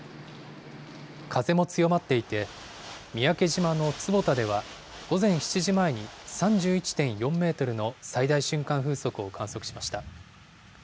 風も強まっていて、三宅島の坪田では、午前７時前に、３１．４メートルの最大瞬間風速を観測しました。